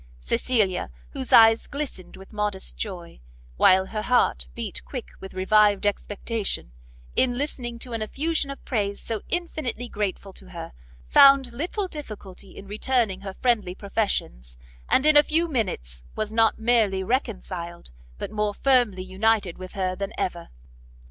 Cecilia, whose eyes glistened with modest joy, while her heart beat quick with revived expectation, in listening to an effusion of praise so infinitely grateful to her, found little difficulty in returning her friendly professions, and, in a few minutes, was not merely reconciled, but more firmly united with her than ever.